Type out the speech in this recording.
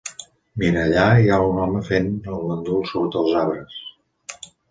Mira, allà hi ha un home fent el gandul sota els arbres.